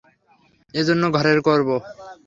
এজন্য ঘরে করব।